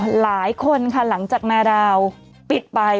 หลายคนค่ะหลังจากนาดาวปิดไป